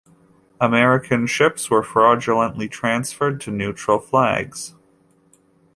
American ships were fraudulently transferred to neutral flags.